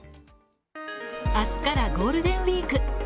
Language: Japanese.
明日からゴールデンウィーク。